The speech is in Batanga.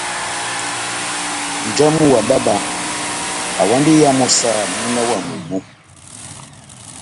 Nja wamu wa bába awandi iya mɔ́ saha múna wa momó.